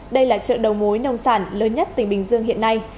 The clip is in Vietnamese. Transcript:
đây là chợ đầu mối nông sản lớn nhất tỉnh bình dương hiện nay